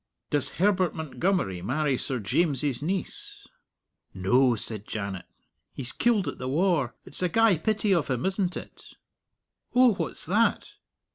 "Does Herbert Montgomery marry Sir James's niece?" "No," said Janet; "he's killed at the war. It's a gey pity of him, isn't it? Oh, what's that?"